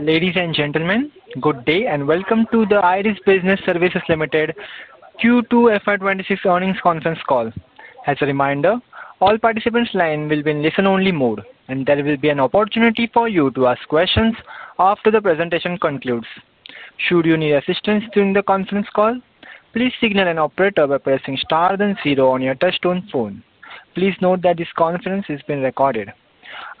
Ladies and gentlemen, good day and welcome to the IRIS Business Services Limited Q2 FY 2026 earnings conference call. As a reminder, all participants' lines will be in listen-only mode, and there will be an opportunity for you to ask questions after the presentation concludes. Should you need assistance during the conference call, please signal an operator by pressing star then zero on your touch-tone phone. Please note that this conference is being recorded.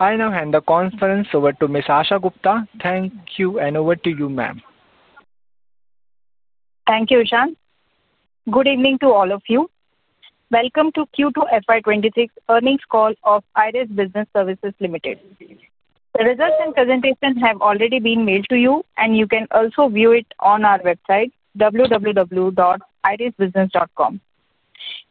I now hand the conference over to Ms. Asha Gupta. Thank you, and over to you, ma'am. Thank you, Ishan. Good evening to all of you. Welcome to Q2 FY 2026 earnings call of IRIS Business Services Limited. The results and presentation have already been mailed to you, and you can also view it on our website, www.irisbusiness.com.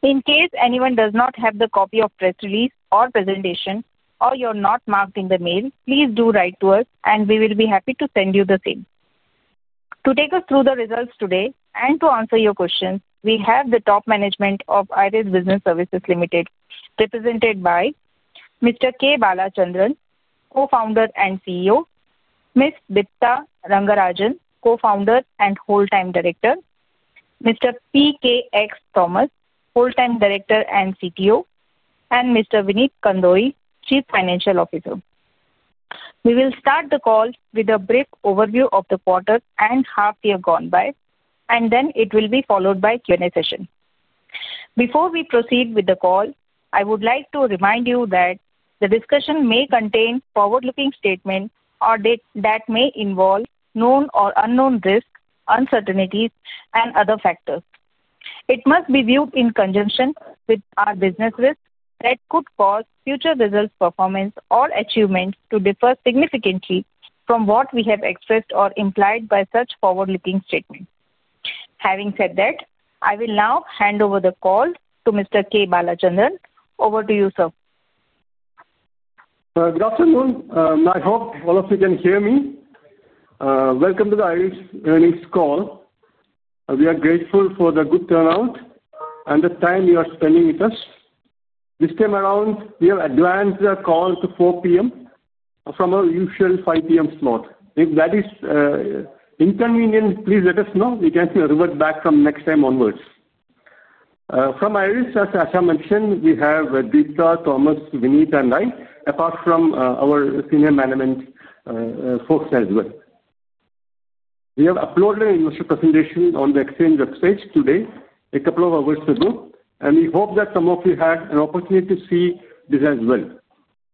In case anyone does not have the copy of press release or presentation, or you're not marked in the mail, please do write to us, and we will be happy to send you the same. To take us through the results today and to answer your questions, we have the top management of IRIS Business Services Limited, represented by Mr. K. Balachandran, Co-founder and CEO, Ms. Deepta Rangarajan, Co-founder and whole-time director, Mr. P. K. X. Thomas, whole-time director and CTO, and Mr. Vineet Kandoi, Chief Financial Officer. We will start the call with a brief overview of the quarter and half-year gone by, and then it will be followed by a Q&A session. Before we proceed with the call, I would like to remind you that the discussion may contain forward-looking statements or that may involve known or unknown risks, uncertainties, and other factors. It must be viewed in conjunction with our business risk that could cause future results, performance, or achievements to differ significantly from what we have expressed or implied by such forward-looking statements. Having said that, I will now hand over the call to Mr. K. Balachandran. Over to you, sir. Good afternoon. I hope all of you can hear me. Welcome to the IRIS earnings call. We are grateful for the good turnout and the time you are spending with us. This time around, we have advanced the call to 4:00 P.M. from our usual 5:00 P.M. slot. If that is inconvenient, please let us know. We can revert back from next time onwards. From IRIS, as Asha mentioned, we have Deepta, Thomas, Vineet, and I, apart from our senior management folks as well. We have uploaded an investor presentation on the Exchange website today, a couple of hours ago, and we hope that some of you had an opportunity to see this as well.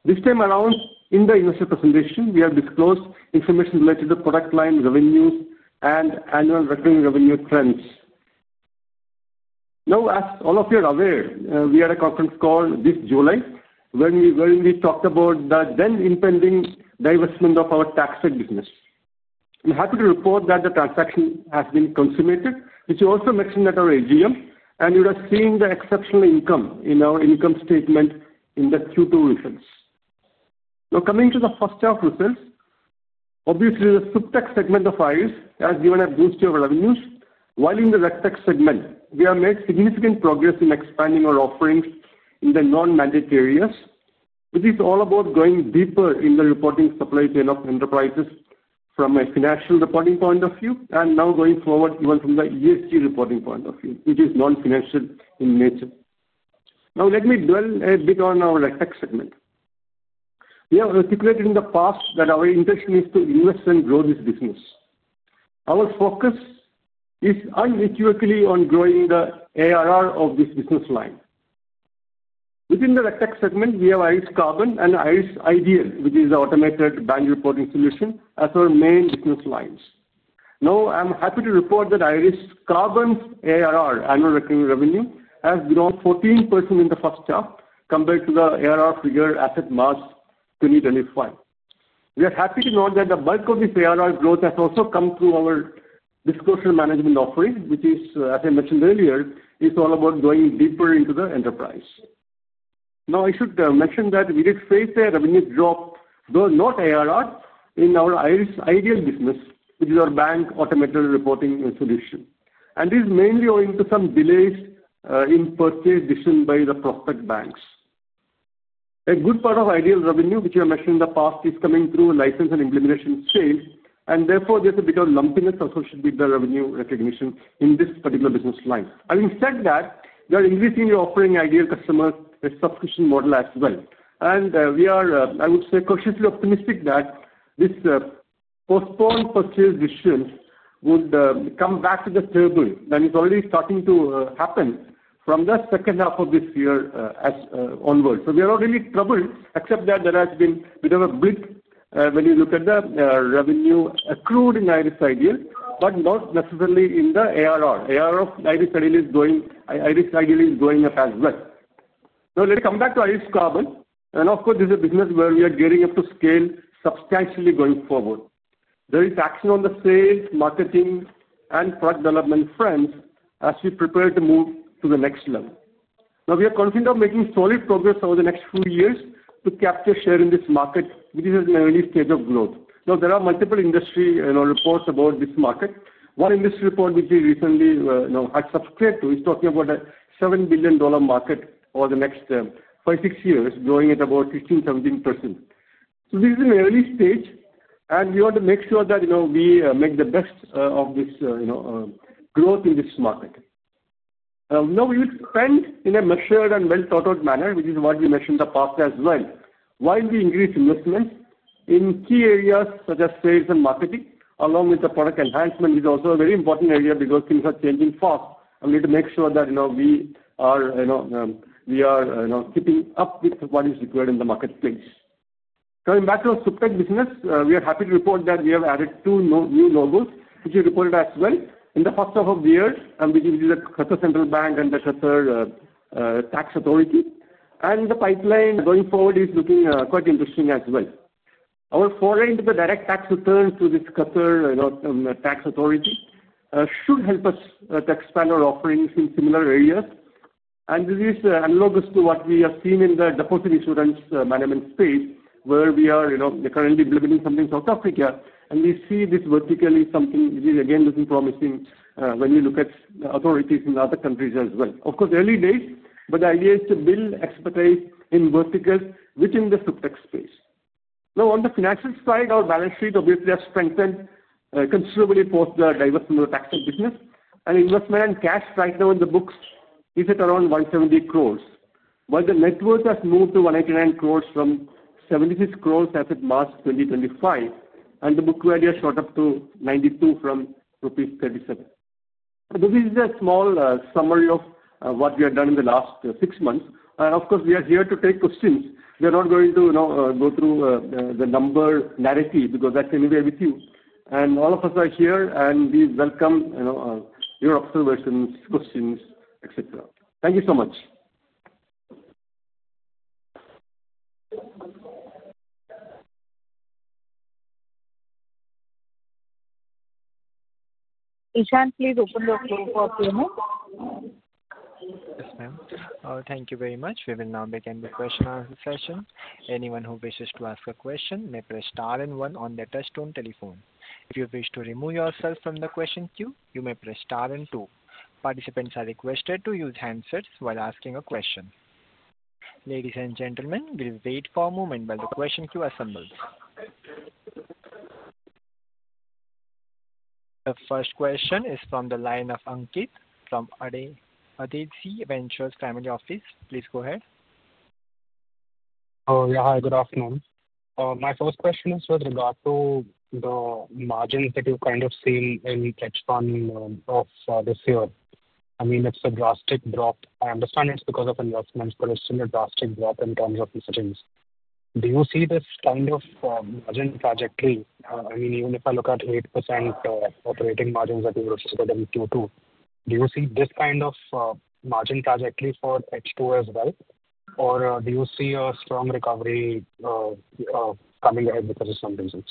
This time around, in the investor presentation, we have disclosed information related to product line, revenues, and annual recurring revenue trends. Now, as all of you are aware, we had a conference call this July when we talked about the then impending divestment of our TaxTech business. I'm happy to report that the transaction has been consummated, which also mentioned that at our AGM, and you are seeing the exceptional income in our income statement in the Q2 results. Now, coming to the first half results, obviously, the SupTech segment of IRIS has given a boost to our revenues, while in the RegTech segment, we have made significant progress in expanding our offerings in the non-mandate areas, which is all about going deeper in the reporting supply chain of enterprises from a financial reporting point of view, and now going forward, even from the ESG reporting point of view, which is non-financial in nature. Now, let me dwell a bit on our RegTech segment. We have articulated in the past that our intention is to invest and grow this business. Our focus is unequivocally on growing the ARR of this business line. Within the RegTech segment, we have IRIS CARBON and IRIS iDEAL, which is the automated bank reporting solution, as our main business lines. Now, I'm happy to report that IRIS CARBON's ARR, annual recurring revenue, has grown 14% in the first half compared to the ARR figure as at March 2023. We are happy to note that the bulk of this ARR growth has also come through our disclosure management offering, which is, as I mentioned earlier, it's all about going deeper into the enterprise. Now, I should mention that we did face a revenue drop, though not ARR, in our IRIS iDEAL business, which is our bank automated reporting solution. This is mainly owing to some delays in purchase decisions by the prospect banks. A good part of IRIS iDEAL revenue, which we have mentioned in the past, is coming through license and implementation sales, and therefore, there is a bit of lumpiness associated with the revenue recognition in this particular business line. Having said that, we are increasingly offering IRIS iDEAL customers a subscription model as well. We are, I would say, cautiously optimistic that these postponed purchase decisions would come back to the table, and it is already starting to happen from the second half of this year onward. We are not really troubled, except that there has been a bit of a blip when you look at the revenue accrued in IRIS iDEAL, but not necessarily in the ARR. ARR of IRIS iDEAL is going up as well. Now, let me come back to IRIS CARBON. Of course, this is a business where we are gearing up to scale substantially going forward. There is action on the sales, marketing, and product development fronts as we prepare to move to the next level. We are confident of making solid progress over the next few years to capture share in this market, which is in an early stage of growth. There are multiple industry reports about this market. One industry report, which we recently had subscribed to, is talking about a $7 billion market over the next 5-6 years, growing at about 15%-17%. This is an early stage, and we want to make sure that we make the best of this growth in this market. Now, we will spend in a measured and well-thought-out manner, which is what we mentioned in the past as well, while we increase investments in key areas such as sales and marketing, along with the product enhancement, which is also a very important area because things are changing fast. We need to make sure that we are keeping up with what is required in the marketplace. Coming back to our SupTech business, we are happy to report that we have added two new logos, which we reported as well in the first half of the year, which is the Qatar Central Bank and the Qatar Tax Authority. The pipeline going forward is looking quite interesting as well. Our foray into the direct tax returns through this Qatar Tax Authority should help us to expand our offerings in similar areas. This is analogous to what we have seen in the deposit insurance management space, where we are currently implementing something in South Africa, and we see this vertical is something which is again looking promising when you look at authorities in other countries as well. Of course, early days, but the idea is to build expertise in verticals, which in the SupTech space. Now, on the financial side, our balance sheet obviously has strengthened considerably post the divestment of the TaxTech business. Investment and cash right now in the books is at around 170 crore, while the net worth has moved to 189 crore from 76 crore as at March 2025, and the book value has shot up to 92 from rupees 37. This is a small summary of what we have done in the last six months. Of course, we are here to take questions. We are not going to go through the number narrative because that is anyway with you. All of us are here, and we welcome your observations, questions, etc. Thank you so much. Ishan, please open the floor for a few minutes. Yes, ma'am. Thank you very much. We will now begin the question-and-answer session. Anyone who wishes to ask a question may press star and one on their touch-tone telephone. If you wish to remove yourself from the question queue, you may press star and two. Participants are requested to use handsets while asking a question. Ladies and gentlemen, we'll wait for a moment while the question queue assembles. The first question is from the line of Ankit from Adezi Ventures Family Office. Please go ahead. Hi, good afternoon. My first question is with regard to the margins that you've kind of seen in the hedge fund of this year. I mean, it's a drastic drop. I understand it's because of investments, but it's still a drastic drop in terms of settings. Do you see this kind of margin trajectory? I mean, even if I look at 8% operating margins that you were discussing in Q2, do you see this kind of margin trajectory for H2 as well? Or do you see a strong recovery coming ahead because of some reasons?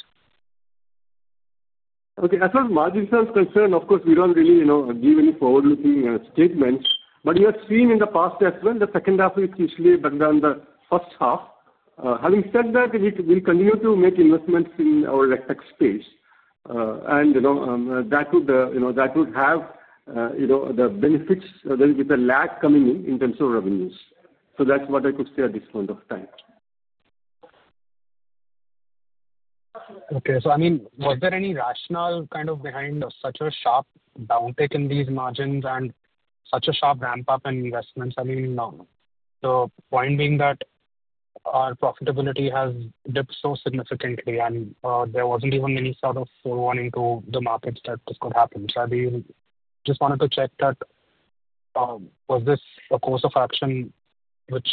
Okay. As far as margins are concerned, of course, we do not really give any forward-looking statements, but we have seen in the past as well, the second half, which usually brings down the first half. Having said that, we will continue to make investments in our RegTech space, and that would have the benefits with the lag coming in terms of revenues. That is what I could say at this point of time. Okay. So, I mean, was there any rationale kind of behind such a sharp downtick in these margins and such a sharp ramp-up in investments? I mean, the point being that our profitability has dipped so significantly, and there was not even any sort of forewarning to the markets that this could happen. I just wanted to check that was this a course of action which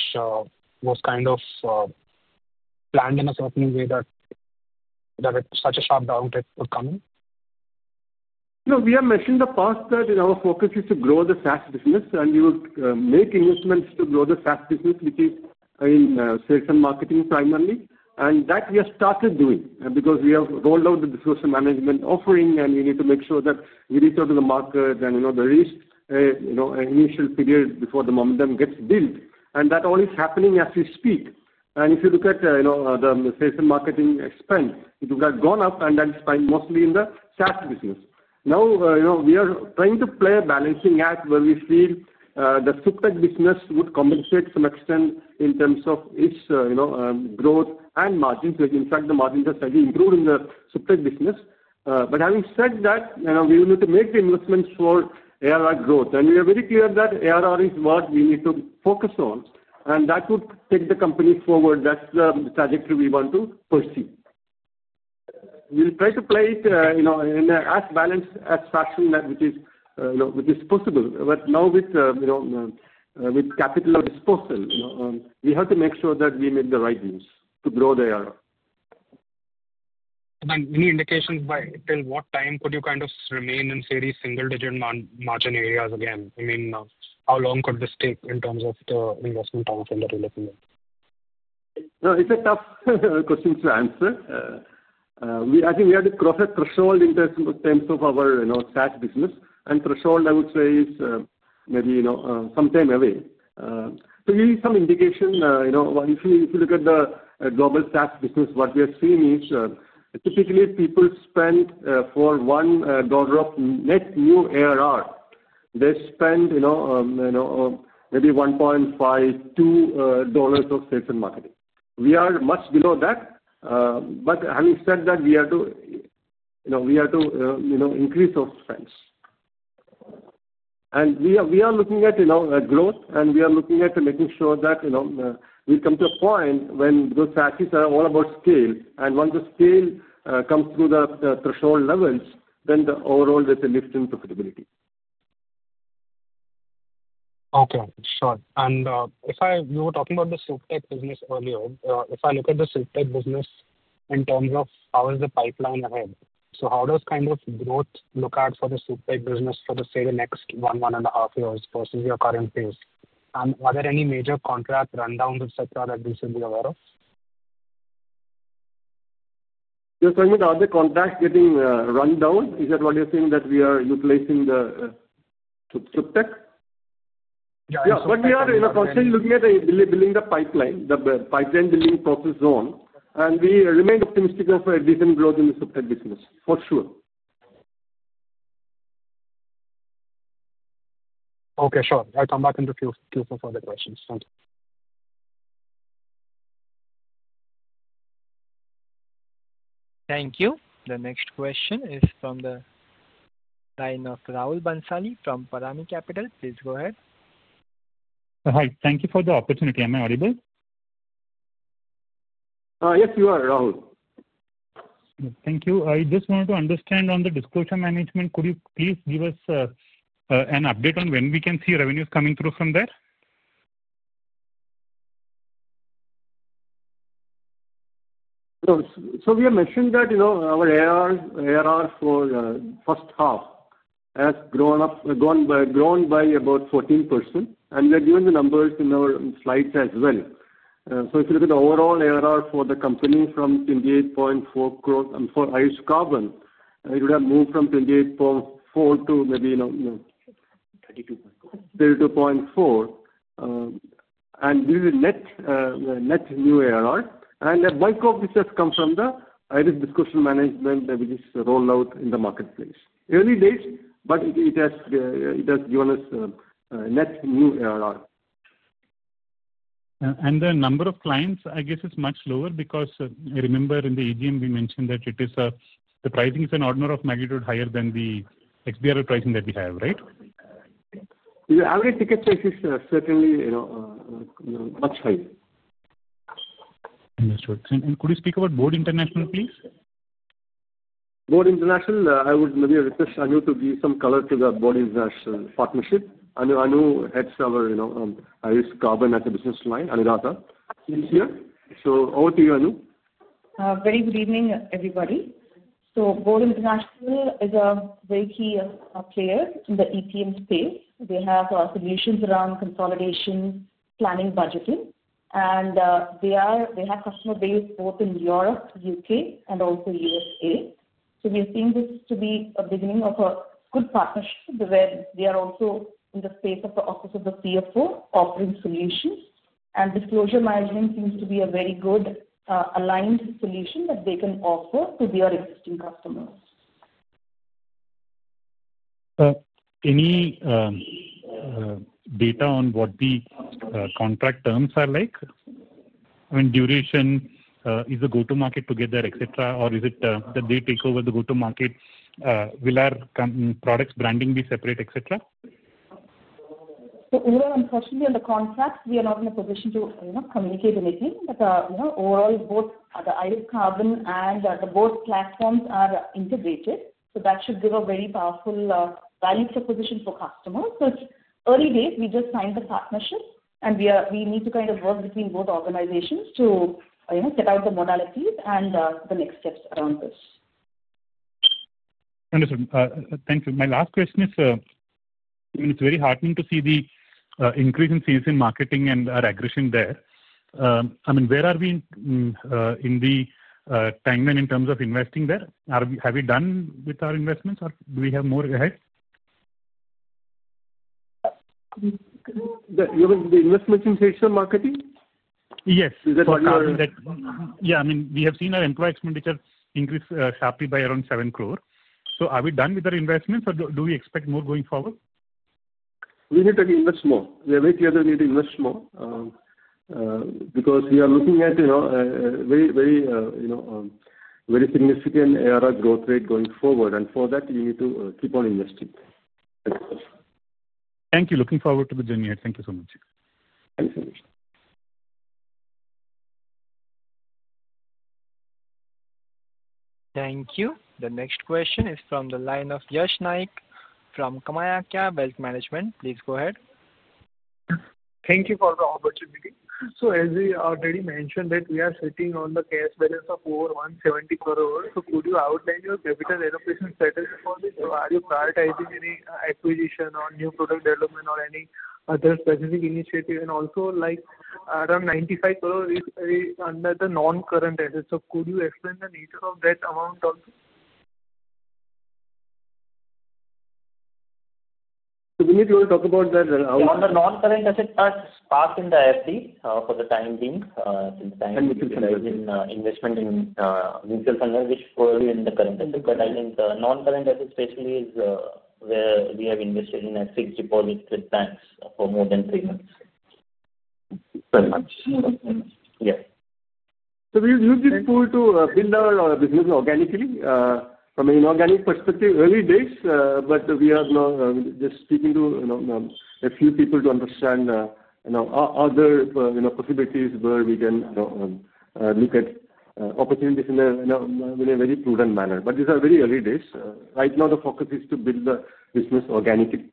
was kind of planned in a certain way that such a sharp downtick would come in? No, we have mentioned in the past that our focus is to grow the SaaS business, and we will make investments to grow the SaaS business, which is in sales and marketing primarily. That we have started doing because we have rolled out the disclosure management offering, and we need to make sure that we reach out to the market and there is an initial period before the momentum gets built. That all is happening as we speak. If you look at the sales and marketing expense, it has gone up, and that is mostly in the SaaS business. Now, we are trying to play a balancing act where we feel the SupTech business would compensate to some extent in terms of its growth and margins. In fact, the margins are slightly improved in the SupTech business. Having said that, we will need to make the investments for ARR growth. We are very clear that ARR is what we need to focus on, and that would take the company forward. That is the trajectory we want to pursue. We will try to play it in as balanced a fashion as possible. Now, with capital at disposal, we have to make sure that we make the right moves to grow the ARR. Any indications by till what time could you kind of remain in these single-digit margin areas again? I mean, how long could this take in terms of the investment time frame that you're looking at? No, it's a tough question to answer. I think we had to cross a threshold in terms of our SaaS business. And threshold, I would say, is maybe some time away. So we need some indication. If you look at the global SaaS business, what we have seen is typically people spend for $1 of net new ARR, they spend maybe $1.52 of sales and marketing. We are much below that. But having said that, we have to increase those spends. And we are looking at growth, and we are looking at making sure that we've come to a point when those SaaSes are all about scale. And once the scale comes through the threshold levels, then the overall there's a lift in profitability. Okay. Sure. You were talking about the SupTech business earlier. If I look at the SupTech business in terms of how is the pipeline ahead, how does kind of growth look out for the SupTech business for, say, the next 1, 1.5 years versus your current phase? Are there any major contract rundowns, etc., that we should be aware of? You're talking about the contract getting rundown? Is that what you're saying, that we are utilizing the SupTech? Yeah. Yeah. We are constantly looking at building the pipeline, the pipeline building process zone. We remain optimistic of a decent growth in the SupTech business, for sure. Okay. Sure. I'll come back and queue for further questions. Thank you. Thank you. The next question is from the line of Rahul Bhansali from Parami Capital. Please go ahead. Hi. Thank you for the opportunity. Am I audible? Yes, you are, Rahul. Thank you. I just wanted to understand on the disclosure management, could you please give us an update on when we can see revenues coming through from there? We have mentioned that our ARR for the first half has grown by about 14%. We are giving the numbers in our slides as well. If you look at the overall ARR for the company from 28.4 crores for IRIS CARBON, it would have moved from 28.4 crores to maybe 32.4 crores. This is net new ARR. A bulk of this has come from the IRIS Disclosure Management that we just rolled out in the marketplace. Early days, but it has given us net new ARR. The number of clients, I guess, is much lower because I remember in the AGM, we mentioned that the pricing is an order of magnitude higher than the XBRL pricing that we have, right? The average ticket price is certainly much higher. Understood. Could you speak about Board International, please? Board International, I would maybe request Anu to give some color to the Board International partnership. Anu heads our IRIS CARBON as a business line, Anuradha. She's here. So over to you, Anu. Very good evening, everybody. Board International is a very key player in the EPM space. They have solutions around consolidation, planning, budgeting. They have customer base both in Europe, U.K., and also USA. We have seen this to be a beginning of a good partnership where they are also in the space of the Office of the CFO offering solutions. Disclosure management seems to be a very good aligned solution that they can offer to their existing customers. Any data on what the contract terms are like? I mean, duration, is the go-to-market together, etc., or is it that they take over the go-to-market? Will our product branding be separate, etc.? Overall, unfortunately, on the contracts, we are not in a position to communicate anything. Overall, both the IRIS CARBON and the Board platforms are integrated. That should give a very powerful value proposition for customers. It is early days. We just signed the partnership, and we need to kind of work between both organizations to set out the modalities and the next steps around this. Understood. Thank you. My last question is, I mean, it's very heartening to see the increase in sales and marketing and our aggression there. I mean, where are we in the timeline in terms of investing there? Have we done with our investments, or do we have more ahead? The investments in sales and marketing? Yes. Yeah. I mean, we have seen our employee expenditure increase sharply by around 7 crore. Are we done with our investments, or do we expect more going forward? We need to invest more. We are very clear that we need to invest more because we are looking at a very significant ARR growth rate going forward. For that, we need to keep on investing. Thank you. Looking forward to the journey ahead. Thank you so much. Thank you. Thank you. The next question is from the line of Yash Naik from KamayaKya Wealth Management. Please go ahead. Thank you for the opportunity. As we already mentioned, we are sitting on the cash balance of over 170 crore. Could you outline your capital allocation strategy for this? Are you prioritizing any acquisition or new product development or any other specific initiative? Also, around 95 crore is under the non-current assets. Could you explain the nature of that amount also? We need to talk about that. On the non-current asset part, spark in the IFD for the time being, since I invested in investment in mutual funds, which is purely in the current asset. I think the non-current asset specially is where we have invested in a fixed deposit with banks for more than 3 months. Very much. Yeah. We used this pool to build our business organically from an inorganic perspective early days. We are just speaking to a few people to understand other possibilities where we can look at opportunities in a very prudent manner. These are very early days. Right now, the focus is to build the business organically.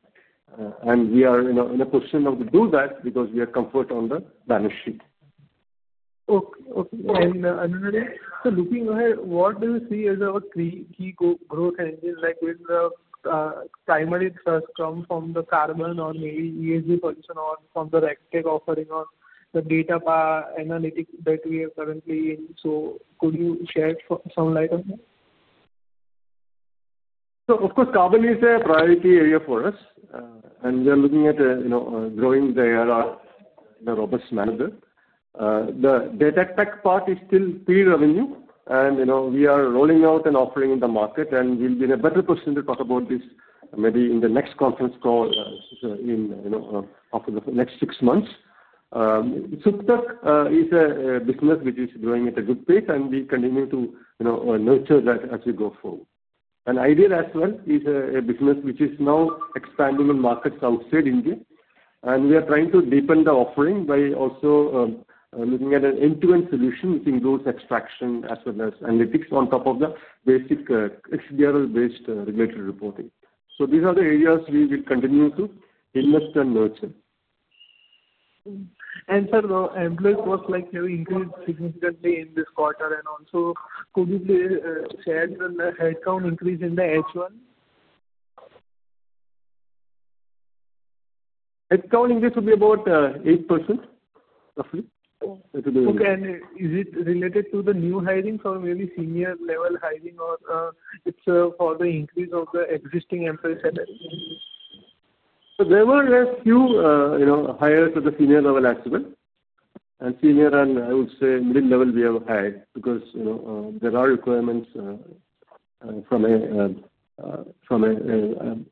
We are in a position to do that because we are comfort on the balance sheet. Okay. Anuradha, looking ahead, what do you see as our key growth engine? When the primary thrust comes from the CARBON or maybe ESG position or from the RegTech offering or the data analytics that we are currently in. Could you shed some light on that? Of course, CARBON is a priority area for us. We are looking at growing the ARR in a robust manner. The data tech part is still pre-revenue. We are rolling out an offering in the market. We will be in a better position to talk about this maybe in the next conference call after the next 6 months. SupTech is a business which is growing at a good pace, and we continue to nurture that as we go forward. IRIS iDEAL as well is a business which is now expanding in markets outside India. We are trying to deepen the offering by also looking at an end-to-end solution using growth extraction as well as analytics on top of the basic XBRL-based regulatory reporting. These are the areas we will continue to invest and nurture. Sir, the employee costs have increased significantly in this quarter. Also, could you share the headcount increase in the H1? Headcount increase would be about 8%, roughly. Okay. Is it related to the new hiring from maybe senior-level hiring, or is it for the increase of the existing employees? There were a few hires at the senior-level as well. Senior and, I would say, middle-level we have hired because there are requirements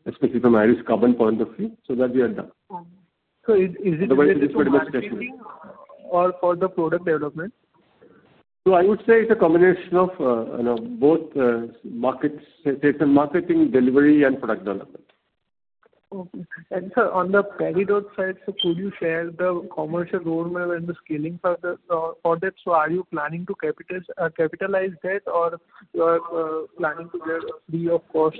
especially from IRIS CARBON point of view. So that we are done. Is it for the sales and marketing or for the product development? I would say it's a combination of both sales and marketing delivery and product development. Okay. Sir, on the credit side, could you share the commercial role and the scaling for that? Are you planning to capitalize that, or are you planning to get it free of cost?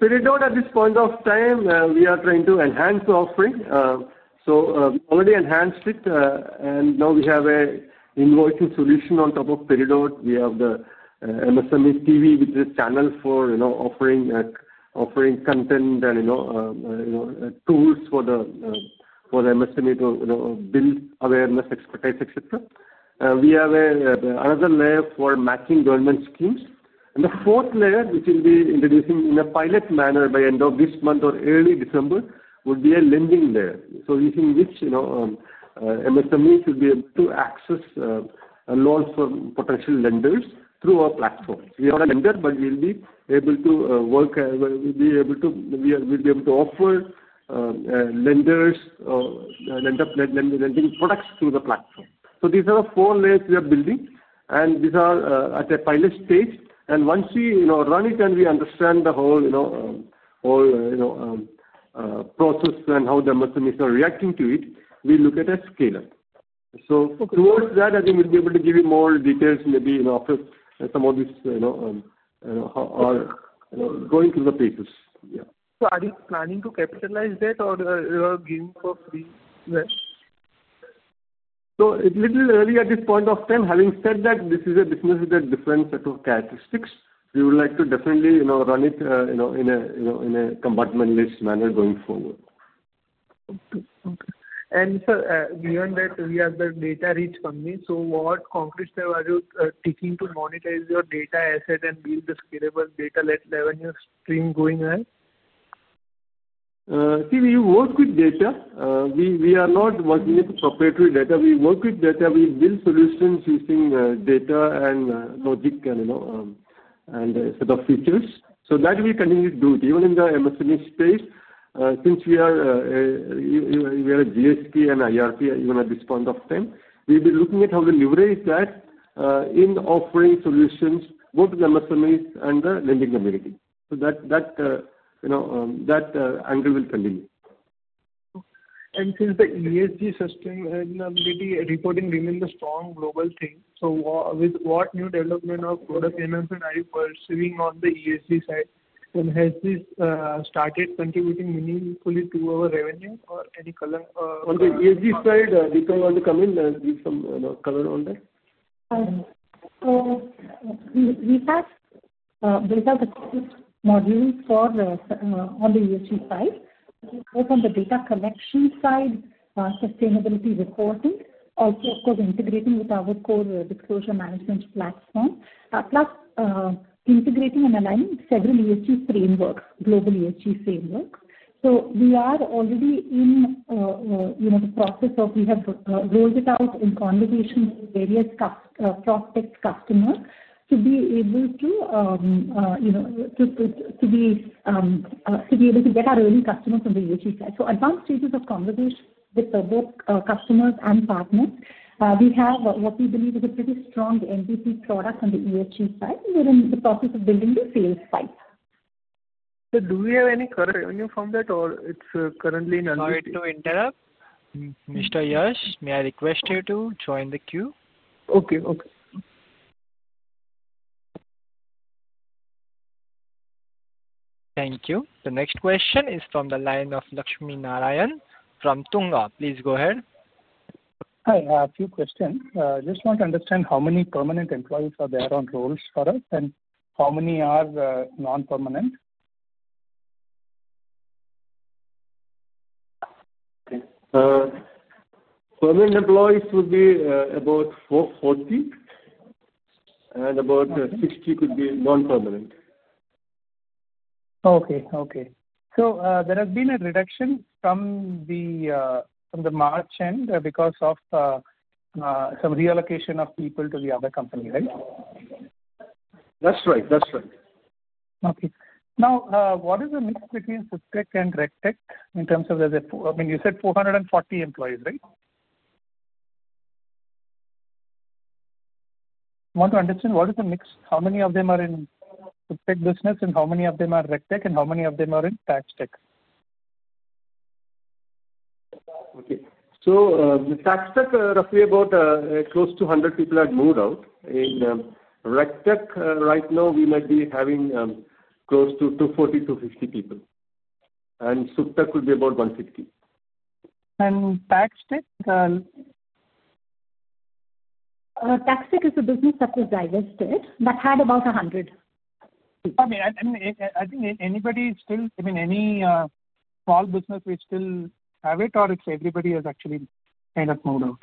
Peridot, at this point of time, we are trying to enhance the offering. We already enhanced it, and now we have an invoicing solution on top of Peridot. We have the MSMEtv, which is a channel for offering content and tools for the MSME to build awareness, expertise, etc. We have another layer for matching government schemes. The fourth layer, which we will be introducing in a pilot manner by end of this month or early December, would be a lending layer. Using this, MSMEs will be able to access loans from potential lenders through our platform. We are not a lender, but we will be able to offer lending products through the platform. These are the four layers we are building, and these are at a pilot stage. Once we run it and we understand the whole process and how the MSMEs are reacting to it, we look at a scaler. Towards that, I think we'll be able to give you more details maybe after some of this or going through the papers. Yeah. Are you planning to capitalize that or give it up for free? A little early at this point of time. Having said that, this is a business with a different set of characteristics. We would like to definitely run it in a combatant-led manner going forward. Okay. Sir, beyond that, we have the data reach funding. What concrete step are you taking to monetize your data asset and build a scalable data-led revenue stream going ahead? See, we work with data. We are not working with proprietary data. We work with data. We build solutions using data and logic and a set of features. That we continue to do. Even in the MSME space, since we are a GSP and IRP even at this point of time, we will be looking at how to leverage that in offering solutions both to the MSMEs and the lending community. That angle will continue. Since the ESG sustainability reporting remains a strong global thing, with what new development of product finance are you pursuing on the ESG side? Has this started contributing meaningfully to our revenue or any color? On the ESG side, do you want to come in and give some color on that? We have a few modules on the ESG side, both on the data collection side, sustainability reporting, also, of course, integrating with our core disclosure management platform, plus integrating and aligning several ESG frameworks, global ESG frameworks. We are already in the process of, we have rolled it out in conversations with various prospect customers to be able to get our early customers on the ESG side. Advanced stages of conversation with both customers and partners. We have what we believe is a pretty strong MVP product on the ESG side. We are in the process of building the sales site. Do we have any current revenue from that, or it's currently in? Sorry to interrupt. Mr. Yash, may I request you to join the queue? Okay. Okay. Thank you. The next question is from the line of Lakshminarayan from Tunga. Please go ahead. Hi. I have a few questions. Just want to understand how many permanent employees are there on roles for us, and how many are non-permanent? Permanent employees would be about 40, and about 60 could be non-permanent. Okay. Okay. So there has been a reduction from the March end because of some reallocation of people to the other company, right? That's right. That's right. Okay. Now, what is the mix between SupTech and RegTech in terms of the, I mean, you said 440 employees, right? I want to understand what is the mix? How many of them are in SupTech business, and how many of them are RegTech, and how many of them are in TaxTech? Okay. So the TaxTech, roughly about close to 100 people have moved out. In RegTech, right now, we might be having close to 240-250 people. And SupTech would be about 150. TaxTech? TaxTech is a business that was divested that had about 100. I mean, I think anybody still, I mean, any small business will still have it, or it's everybody has actually kind of moved out?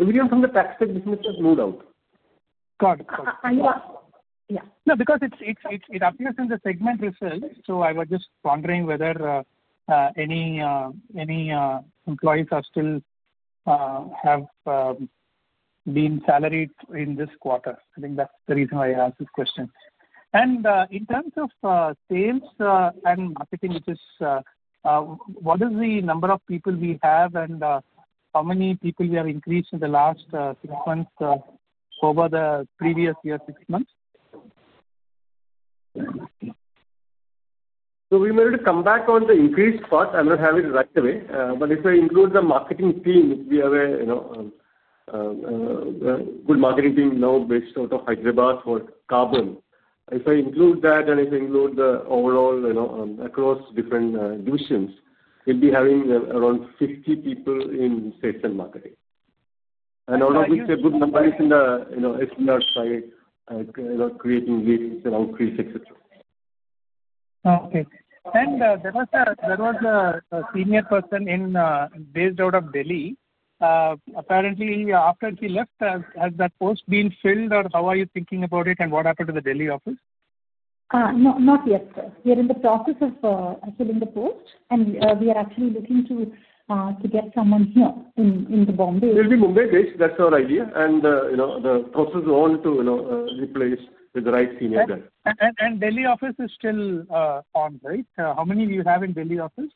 Everyone from the TaxTech business has moved out. Got it. Yeah. No, because it appears in the segment itself. I was just wondering whether any employees have still been salaried in this quarter. I think that's the reason why I asked this question. In terms of sales and marketing, what is the number of people we have, and how many people we have increased in the last 6 months over the previous 6 months? We were to come back on the increased part. I'm not having it right away. If I include the marketing team, we have a good marketing team now based out of Hyderabad for CARBON. If I include that, and if I include the overall across different divisions, we'll be having around 50 people in sales and marketing. All of which are good numbers in the SBR side, creating leads around 360. Okay. There was a senior person based out of Delhi. Apparently, after she left, has that post been filled, or how are you thinking about it, and what happened to the Delhi office? Not yet, sir. We are in the process of filling the post. We are actually looking to get someone here in Bombay. We'll be Bombay-based. That is our idea. The process is on to replace with the right senior guy. Delhi office is still on, right? How many do you have in Delhi office?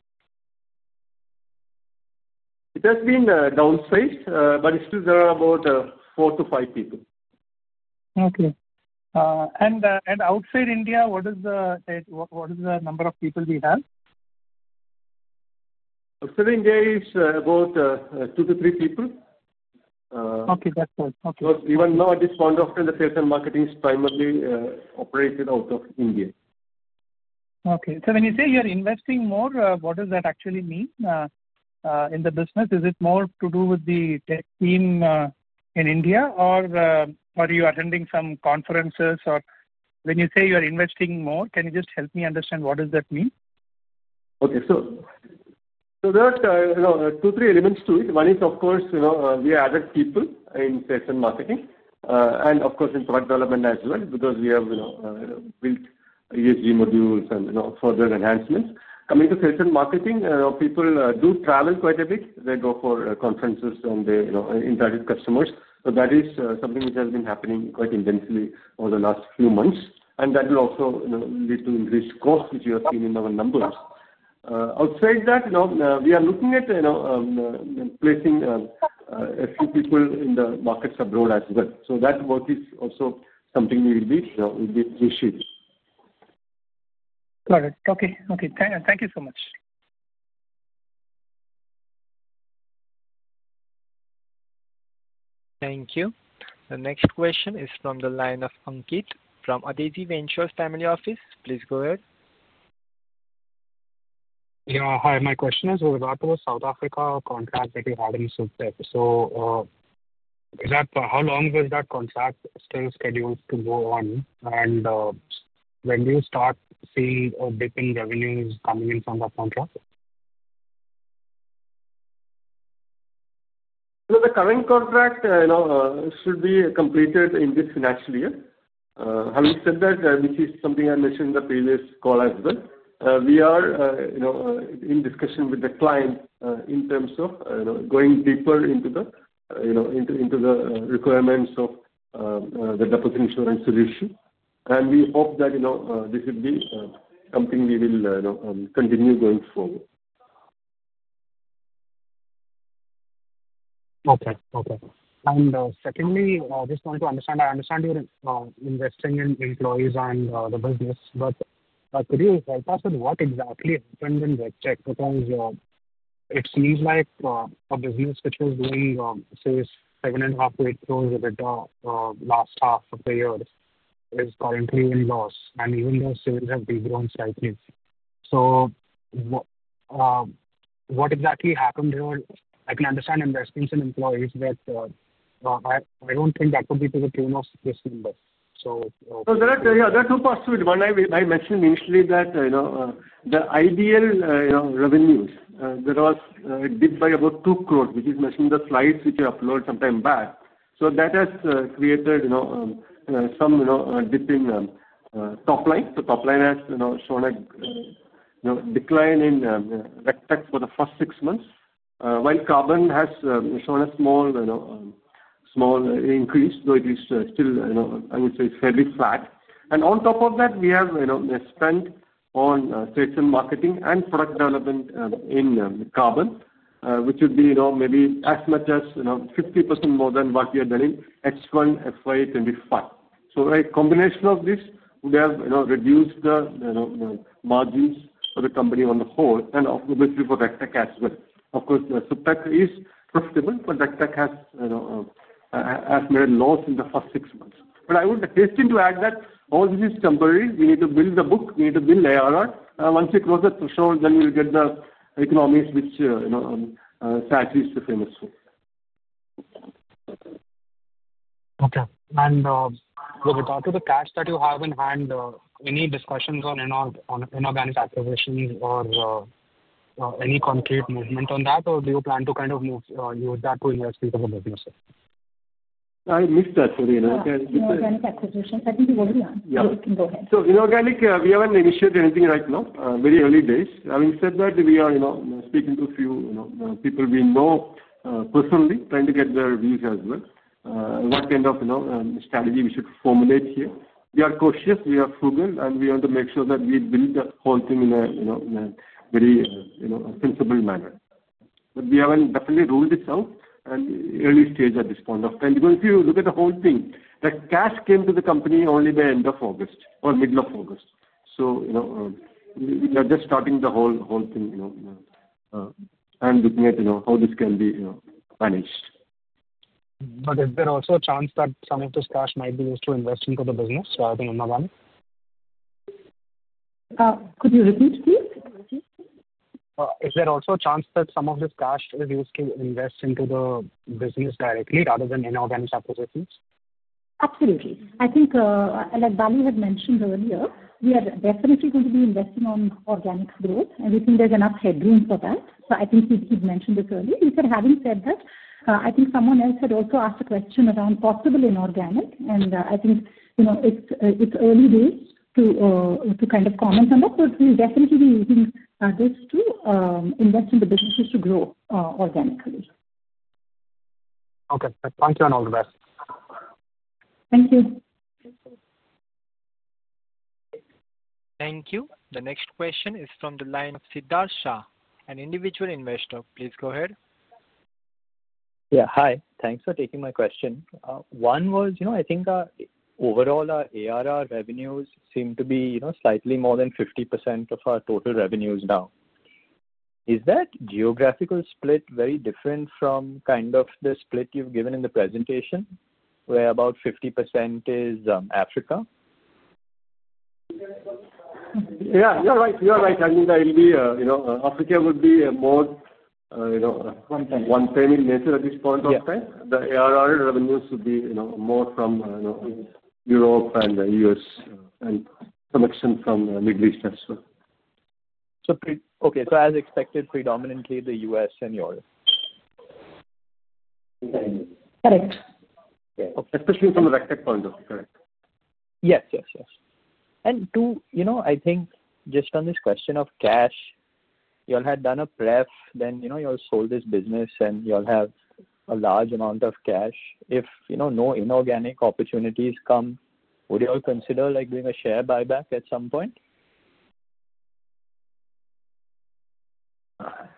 It has been downsized, but it's still there are about 4-5 people. Okay. Outside India, what is the number of people we have? Outside India is about 2-3 people. Okay. That's good. Okay. Because even now, at this point of time, the sales and marketing is primarily operated out of India. Okay. So when you say you're investing more, what does that actually mean in the business? Is it more to do with the tech team in India, or are you attending some conferences? Or when you say you're investing more, can you just help me understand what does that mean? Okay. There are two or three elements to it. One is, of course, we added people in sales and marketing. Of course, in product development as well, because we have built ESG modules and further enhancements. Coming to sales and marketing, people do travel quite a bit. They go for conferences and they interact with customers. That is something which has been happening quite intensively over the last few months. That will also lead to increased costs, which you have seen in our numbers. Outside that, we are looking at placing a few people in the markets abroad as well. That work is also something we will be appreciating. Got it. Okay. Okay. Thank you so much. Thank you. The next question is from the line of Ankit from Adezi Ventures Family Office. Please go ahead. Yeah. Hi. My question is with regard to the South Africa contract that you're having with SupTech. How long is that contract still scheduled to go on? When do you start seeing a dip in revenues coming in from that contract? The current contract should be completed in this financial year. Having said that, which is something I mentioned in the previous call as well, we are in discussion with the client in terms of going deeper into the requirements of the deposit insurance solution. We hope that this will be something we will continue going forward. Okay. Okay. Secondly, I just want to understand. I understand you're investing in employees and the business, but could you help us with what exactly happened in RegTech? Because it seems like a business which was doing, say, 7.5 crore-8 crore over the last half of the year is currently in loss. Even though sales have been growing slightly. What exactly happened here? I can understand investments in employees, but I do not think that would be to the tune of this number. There are two parts to it. One I mentioned initially that the iDEAL revenues, there was a dip by about 2 crore, which is mentioned in the slides which I uploaded some time back. That has created some dip in top line. Top line has shown a decline in RegTech for the first 6 months, while CARBON has shown a small increase, though it is still, I would say, fairly flat. On top of that, we have spent on sales and marketing and product development in CARBON, which would be maybe as much as 50% more than what we are doing in H1, FY 2025. A combination of this would have reduced the margins for the company on the whole, and obviously for RegTech as well. Of course, SupTech is profitable, but RegTech has made a loss in the first 6 months. I would hasten to add that all this is temporary. We need to build the book. We need to build ARR. Once we cross the threshold, then we'll get the economics which Sadri is famous for. Okay. With regard to the cash that you have in hand, any discussions on inorganic acquisitions or any concrete movement on that, or do you plan to kind of use that to invest with other businesses? I missed that. Inorganic acquisitions. I think you already answered. You can go ahead. Inorganic, we haven't initiated anything right now. Very early days. Having said that, we are speaking to a few people we know personally, trying to get their views as well, what kind of strategy we should formulate here. We are cautious. We are frugal, and we want to make sure that we build the whole thing in a very sensible manner. We haven't definitely ruled this out at the early stage at this point of time. If you look at the whole thing, the cash came to the company only by end of August or middle of August. We are just starting the whole thing and looking at how this can be managed. Is there also a chance that some of this cash might be used to invest into the business rather than inorganic? Could you repeat, please? Is there also a chance that some of this cash is used to invest into the business directly rather than inorganic acquisitions? Absolutely. I think, like Bali had mentioned earlier, we are definitely going to be investing on organic growth. We think there is enough headroom for that. I think he mentioned this earlier. He said, having said that, I think someone else had also asked a question around possible inorganic. I think it is early days to kind of comment on that. We will definitely be using this to invest in the businesses to grow organically. Okay. Thank you and all the best. Thank you. Thank you. The next question is from the line of Siddhar Shah, an individual investor. Please go ahead. Yeah. Hi. Thanks for taking my question. One was, I think overall our ARR revenues seem to be slightly more than 50% of our total revenues now. Is that geographical split very different from kind of the split you've given in the presentation, where about 50% is Africa? Yeah. You're right. You're right. I mean, there will be, Africa would be more one-family nature at this point of time. The ARR revenues would be more from Europe and the U.S. and some action from the Middle East as well. Okay. So as expected, predominantly the U.S. and Europe. Correct. Especially from the RegTech point of view, correct. Yes. Yes. Yes. I think just on this question of cash, you all had done a prep, then you all sold this business, and you all have a large amount of cash. If no inorganic opportunities come, would you all consider doing a share buyback at some point?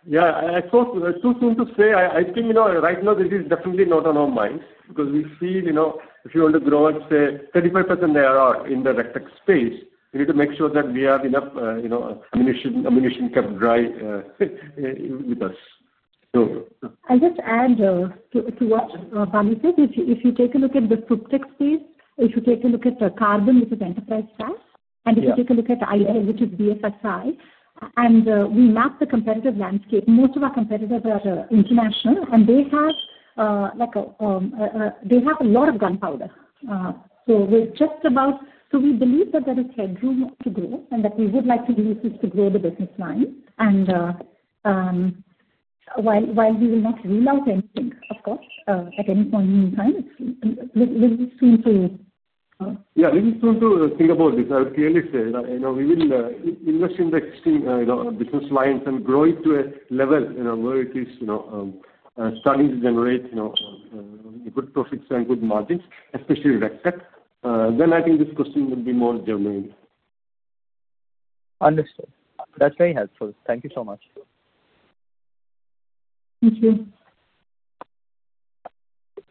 Yeah. I thought it was too soon to say. I think right now, this is definitely not on our minds because we feel if you want to grow, let's say, 35% ARR in the RegTech space, we need to make sure that we have enough ammunition kept dry with us. I'll just add to what Bali said. If you take a look at the SupTech space, if you take a look at CARBON, which is enterprise cash, and if you take a look at iDEAL, which is BFSI, and we map the competitive landscape, most of our competitors are international, and they have a lot of gunpowder. We're just about, so we believe that there is headroom to grow and that we would like to use this to grow the business line. While we will not rule out anything, of course, at any point in time, we'll soon to. Yeah. You know, to think about this, I would clearly say that we will invest in the existing business lines and grow it to a level where it is starting to generate good profits and good margins, especially RegTech. Then I think this question would be more germane. Understood. That's very helpful. Thank you so much. Thank you.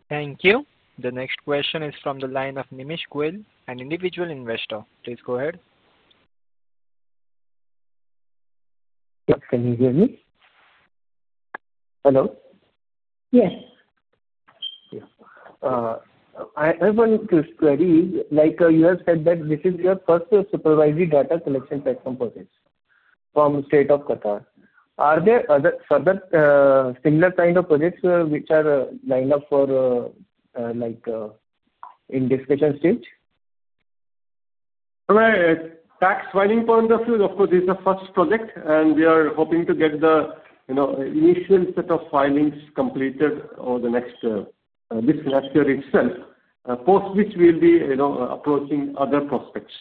Thank you. The next question is from the line of Nimish Guhil, an individual investor. Please go ahead. Yes. Can you hear me? Hello? Yes. I want to ask you a query. You have said that this is your first supervisory data collection platform project from the state of Qatar. Are there other similar kind of projects which are lined up for in discussion stage? From a tax filing point of view, of course, this is the first project. We are hoping to get the initial set of filings completed over the next this semester itself, post which we'll be approaching other prospects.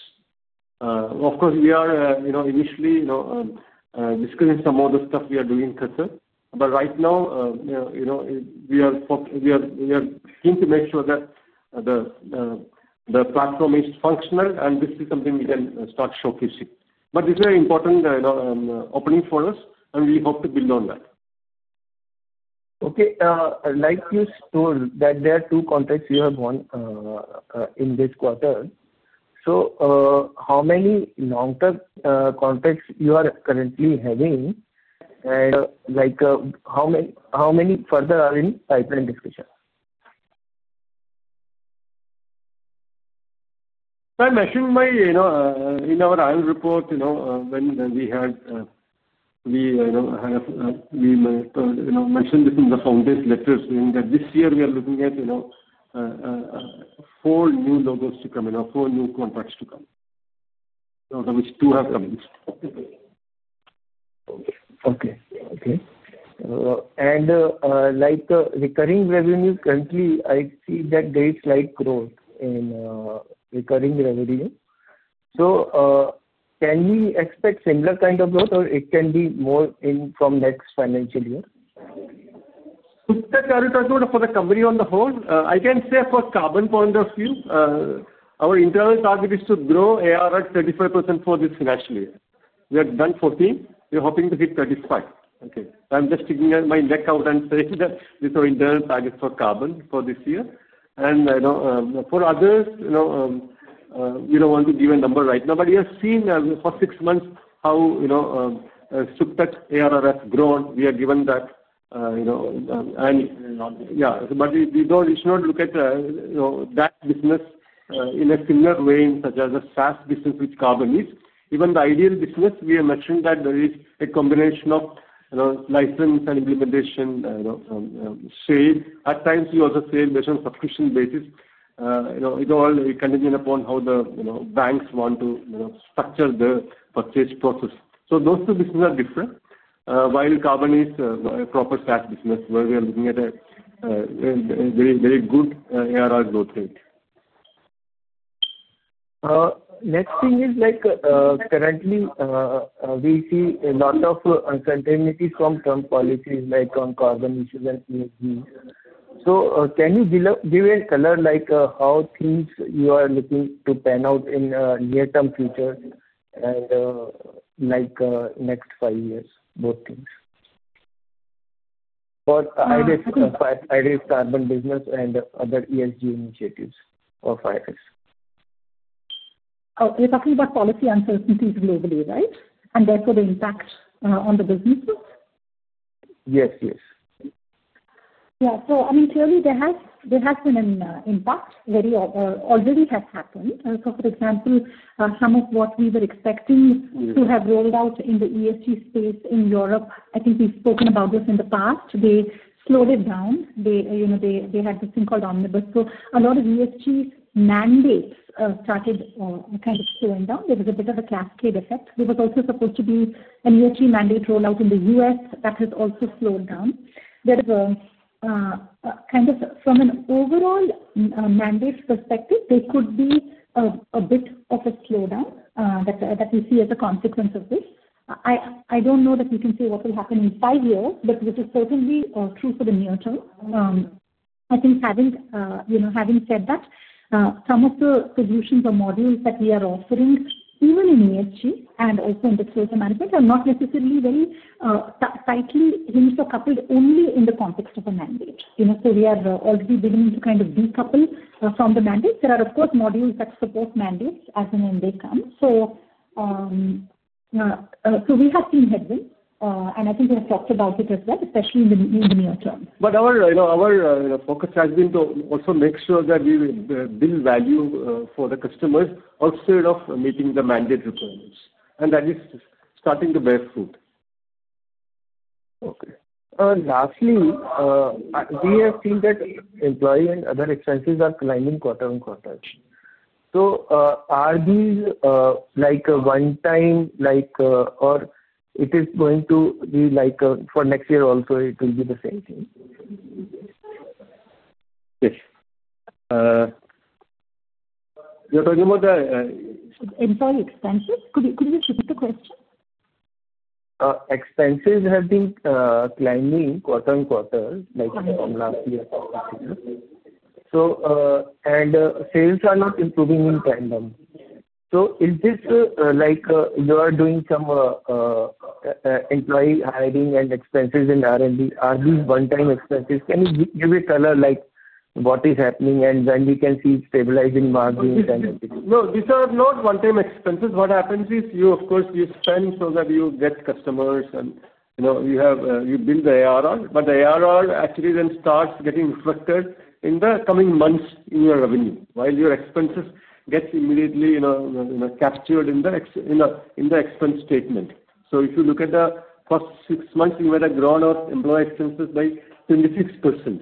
Of course, we are initially discussing some of the stuff we are doing in Qatar. Right now, we are keen to make sure that the platform is functional, and this is something we can start showcasing. This is an important opening for us, and we hope to build on that. Okay. I'd like to state that there are two contracts you have won in this quarter. So how many long-term contracts are you currently having, and how many further are in pipeline discussion? I mentioned in our IRIS report when we had mentioned this in the founders' letters that this year we are looking at four new logos to come, four new contracts to come, out of which two have come. Okay. Okay. Recurring revenue, currently, I see that there is slight growth in recurring revenue. Can we expect similar kind of growth, or it can be more from next financial year? SupTech Aruta Group, for the company on the whole, I can say for CARBON point of view, our internal target is to grow ARR 35% for this financial year. We have done 14%. We are hoping to hit 35%. Okay. I'm just sticking my neck out and saying that this is our internal target for CARBON for this year. For others, we don't want to give a number right now. We have seen for 6 months how SupTech ARR has grown. We are given that. Yeah. We should not look at that business in a similar vein such as the SaaS business, which CARBON is. Even the iDEAL business, we have mentioned that there is a combination of license and implementation sale. At times, we also sell based on subscription basis. It all will be contingent upon how the banks want to structure the purchase process. Those two businesses are different, while CARBON is a proper SaaS business where we are looking at a very good ARR growth rate. Next thing is, currently, we see a lot of uncertainties from term policies on CARBON issues and ESG. So can you give a color of how things you are looking to pan out in the near-term future and next five years, both things? For IRIS CARBON business and other ESG initiatives or IRIS. You're talking about policy uncertainties globally, right? Therefore, the impact on the businesses? Yes. Yes. Yeah. So I mean, clearly, there has been an impact. Already has happened. For example, some of what we were expecting to have rolled out in the ESG space in Europe, I think we've spoken about this in the past, they slowed it down. They had this thing called omnibus. A lot of ESG mandates started kind of slowing down. There was a bit of a cascade effect. There was also supposed to be an ESG mandate rollout in the U.S. that has also slowed down. From an overall mandate perspective, there could be a bit of a slowdown that we see as a consequence of this. I don't know that we can say what will happen in 5 years, but this is certainly true for the near term. I think having said that, some of the solutions or modules that we are offering, even in ESG and also in the total management, are not necessarily very tightly coupled only in the context of a mandate. We are already beginning to kind of decouple from the mandates. There are, of course, modules that support mandates as and when they come. We have seen headwinds, and I think we have talked about it as well, especially in the near term. Our focus has been to also make sure that we build value for the customers outside of meeting the mandate requirements. That is starting to bear fruit. Okay. Lastly, we have seen that employee and other expenses are climbing quarter on quarter. Are these one-time, or is it going to be for next year also, it will be the same thing? Yes. You're talking about the— Employee expenses? Could you repeat the question? Expenses have been climbing quarter on quarter from last year. Sales are not improving in tandem. Is this like you are doing some employee hiring and expenses in R&D? Are these one-time expenses? Can you give a color of what is happening and when we can see stabilizing margins and everything? No, these are not one-time expenses. What happens is, of course, you spend so that you get customers, and you build the ARR. But the ARR actually then starts getting reflected in the coming months in your revenue while your expenses get immediately captured in the expense statement. If you look at the first 6 months, we might have grown our employee expenses by 26%.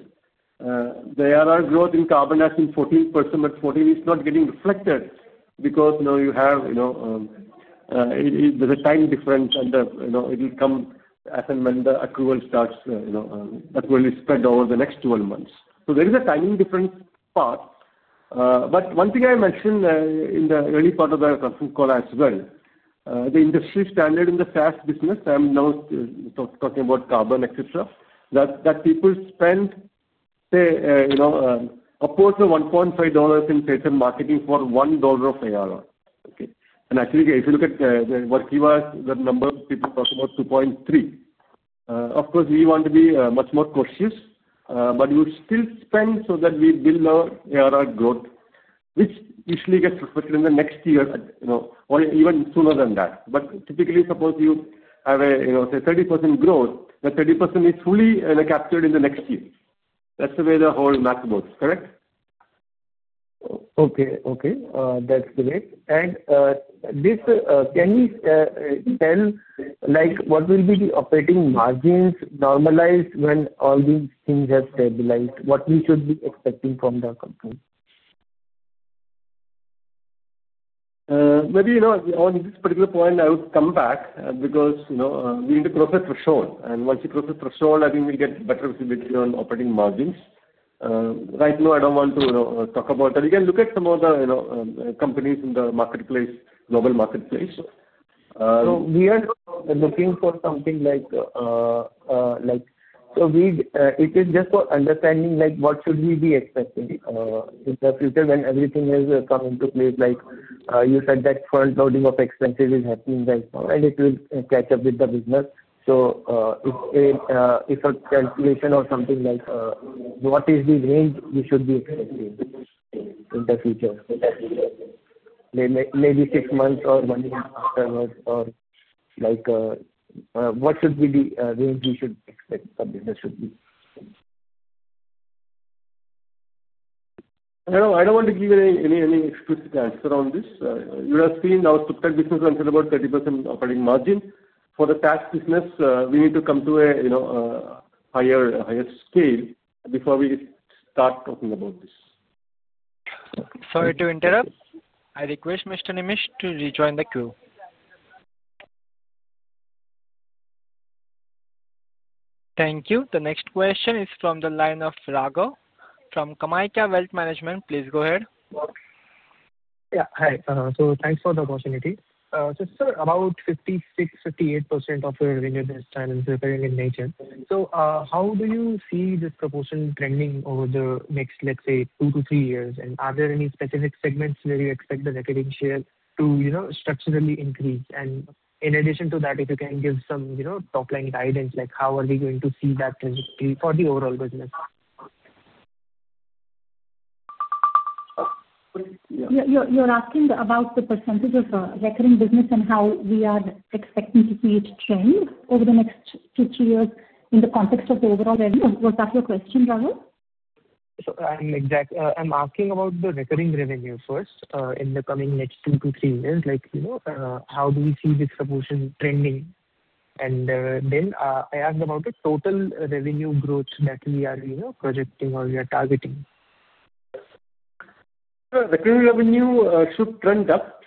The ARR growth in CARBON has been 14%, but 14% is not getting reflected because you have, there's a time difference, and it will come as and when the accrual starts. Accrual is spread over the next 12 months. There is a timing difference part. One thing I mentioned in the early part of the conference call as well, the industry standard in the SaaS business, I'm now talking about CARBON, etc., that people spend, say, upwards of $1.5 in sales and marketing for $1 of ARR. Okay. Actually, if you look at the working hours, the number of people talking about 2.3. Of course, we want to be much more cautious, but we will still spend so that we build our ARR growth, which usually gets reflected in the next year or even sooner than that. Typically, suppose you have a, say, 30% growth, that 30% is fully captured in the next year. That's the way the whole math works, correct? Okay. Okay. That's great. Can you tell what will be the operating margins normalized when all these things have stabilized? What should we be expecting from the company? Maybe on this particular point, I will come back because we need to process threshold. And once we process threshold, I think we'll get better visibility on operating margins. Right now, I don't want to talk about that. You can look at some of the companies in the marketplace, global marketplace. We are looking for something like, it is just for understanding what should we be expecting in the future when everything has come into place. You said that front-loading of expenses is happening right now, and it will catch up with the business. If a calculation or something like, what is the range we should be expecting in the future? Maybe six months or one year afterwards, or what should be the range we should expect the business should be? I don't know. I don't want to give any explicit answer on this. You have seen our SupTech business went to about 30% operating margin. For the SaaS business, we need to come to a higher scale before we start talking about this. Sorry to interrupt. I request Mr. Nimish to rejoin the queue. Thank you. The next question is from the line of Raghav from Kamakhya Wealth Management. Please go ahead. Yeah. Hi. Thanks for the opportunity. Sir, about 56%-58% of your revenue this time is recurring in nature. How do you see this proportion trending over the next, let's say, 2-3 years? Are there any specific segments where you expect the recurring share to structurally increase? In addition to that, if you can give some top-line guidance, how are we going to see that trajectory for the overall business? You're asking about the percentage of recurring business and how we are expecting to see it trend over the next two, three years in the context of the overall revenue. Was that your question, Raghav? I'm asking about the recurring revenue first in the coming next 2-3 years. How do we see this proportion trending? Then I asked about the total revenue growth that we are projecting or we are targeting. Recurring revenue should trend up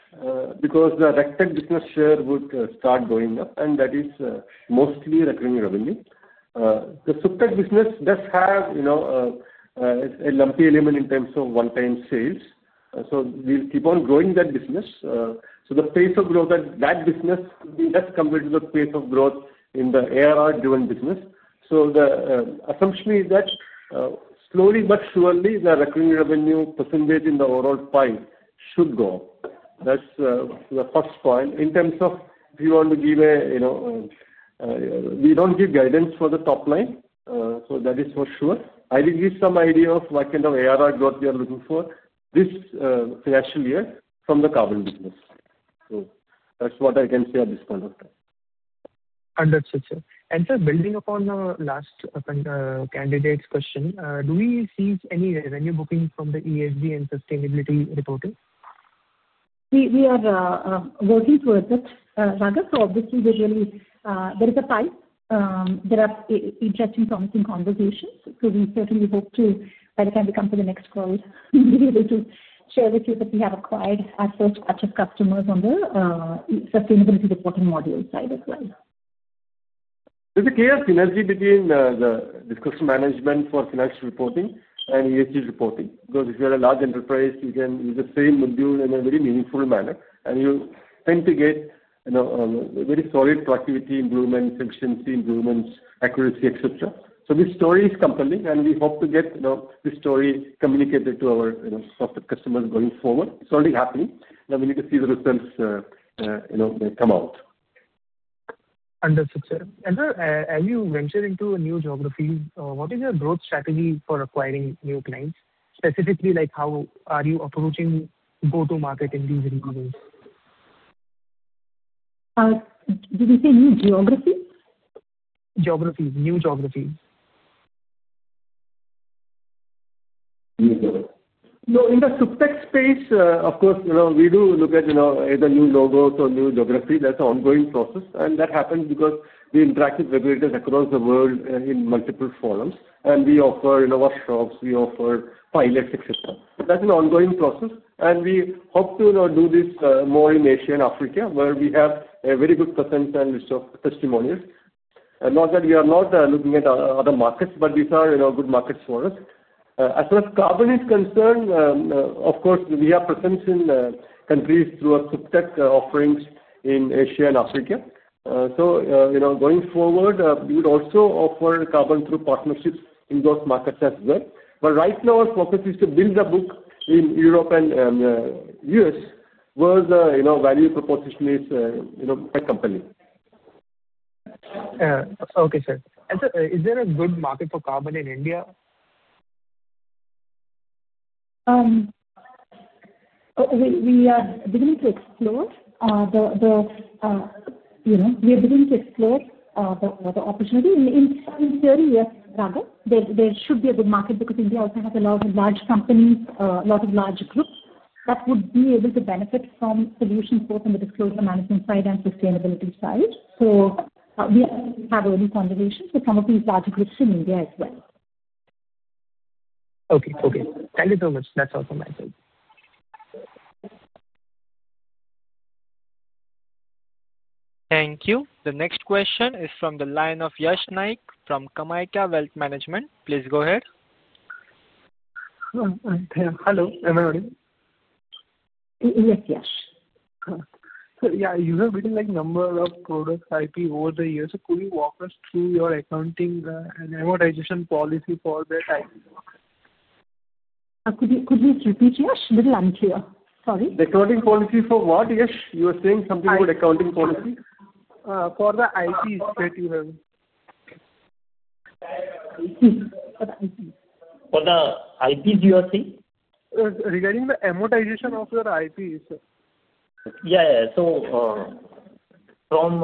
because the RegTech business share would start going up, and that is mostly recurring revenue. The SupTech business does have a lumpy element in terms of one-time sales. We will keep on growing that business. The pace of growth at that business does compare to the pace of growth in the ARR-driven business. The assumption is that slowly but surely, the recurring revenue percentage in the overall pile should go up. That is the first point. In terms of if you want to give a we do not give guidance for the top line. That is for sure. I will give some idea of what kind of ARR growth we are looking for this financial year from the CARBON business. That is what I can say at this point of time. Understood, sir. And sir, building upon the last candidate's question, do we see any revenue booking from the ESG and sustainability reporting? We are working towards it. Raghav, obviously, there is a pipe. There are interesting, promising conversations. We certainly hope to, by the time we come to the next call, be able to share with you that we have acquired our first batch of customers on the sustainability reporting module side as well. is a clear synergy between the discussion management for financial reporting and ESG reporting because if you are a large enterprise, you can use the same module in a very meaningful manner, and you tend to get very solid productivity improvements, efficiency improvements, accuracy, etc. This story is compelling, and we hope to get this story communicated to our customers going forward. It is already happening. We need to see the results come out. Understood, sir. Sir, as you venture into new geographies, what is your growth strategy for acquiring new clients? Specifically, how are you approaching go-to-market in these regions? Did you say new geographies? Geographies. New geographies. No, in the SupTech space, of course, we do look at either new logos or new geography. That's an ongoing process. That happens because we interact with regulators across the world in multiple forums. We offer our shops. We offer pilots, etc. That's an ongoing process. We hope to do this more in Asia and Africa, where we have a very good presence and list of testimonials. Not that we are not looking at other markets, but these are good markets for us. As far as CARBON is concerned, of course, we have presence in countries through our SupTech offerings in Asia and Africa. Going forward, we would also offer CARBON through partnerships in those markets as well. Right now, our focus is to build a book in Europe and the US, where the value proposition is quite compelling. Okay, sir. And sir, is there a good market for CARBON in India? We are beginning to explore the opportunity. In theory, yes, Raghav. There should be a good market because India also has a lot of large companies, a lot of large groups that would be able to benefit from solutions both on the disclosure management side and sustainability side. We have already conversations with some of these large groups in India as well. Okay. Okay. Thank you so much. That's awesome, I think. Thank you. The next question is from the line of Yash Naik from KamayaKya Wealth Management. Please go ahead. Hello, everybody. Yes, Yash. Yeah, you have written a number of product IP over the years. Could you walk us through your accounting and amortization policy for that IP? Could you repeat, Yash? A little unclear. Sorry. Accounting policy for what, Yash? You were saying something about accounting policy. For the IPs that you have. For the IPs. For the IPs, you are saying? Regarding the amortization of your IPs, sir. Yeah, yeah. From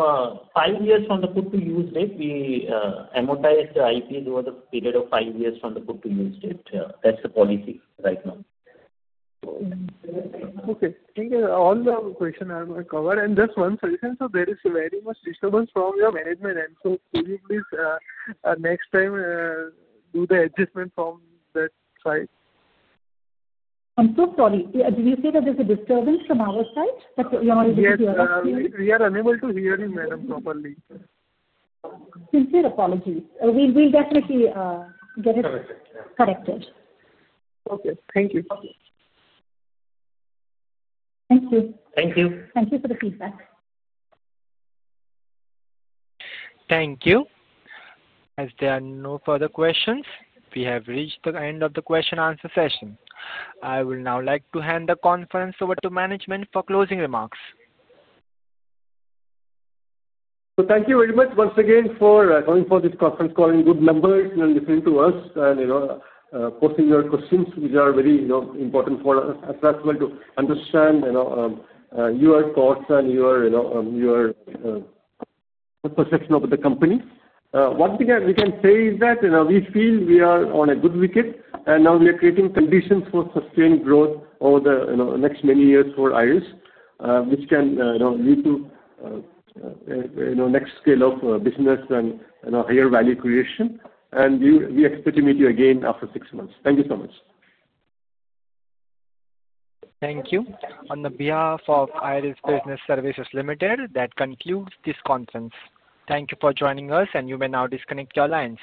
5 years from the put-to-use date, we amortize the IPs over the period of five years from the put-to-use date. That's the policy right now. Okay. Thank you. All the questions are covered. Just one suggestion. There is very much disturbance from your management end. Could you please, next time, do the adjustment from that side? I'm so sorry. Did you say that there's a disturbance from our side? That you're not able to hear us clearly? We are unable to hear you, madam, properly. Sincere apologies. We'll definitely get it corrected. Okay. Thank you. Thank you. Thank you. Thank you for the feedback. Thank you. As there are no further questions, we have reached the end of the question-and-answer session. I would now like to hand the conference over to management for closing remarks. Thank you very much once again for coming for this conference call and good numbers and listening to us and posting your questions, which are very important for us as well to understand your thoughts and your perception of the company. One thing we can say is that we feel we are on a good wicket, and now we are creating conditions for sustained growth over the next many years for IRIS, which can lead to the next scale of business and higher value creation. We expect to meet you again after six months. Thank you so much. Thank you. On behalf of IRIS Business Services Limited, that concludes this conference. Thank you for joining us, and you may now disconnect your lines.